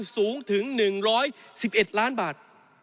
สูงถึง๑๑๑ล้านบาท